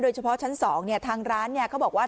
โดยเฉพาะชั้น๒เนี่ยทางร้านเนี่ยเขาบอกว่า